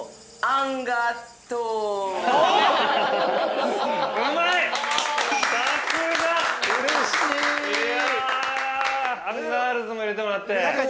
◆アンガールズも入れてもらって。